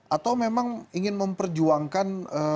atau memang ingin memperjuangkan